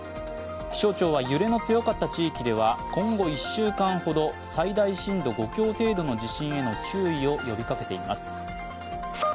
気象庁は揺れの強かった地域では今後１週間ほど最大震度５弱程度の地震への注意を呼びかけています。